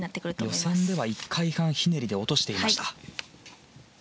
予選では１回半ひねりで落としていました。